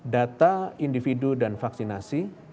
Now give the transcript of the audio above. data individu dan vaksinasi